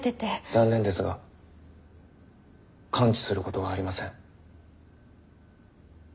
残念ですが完治することはありません。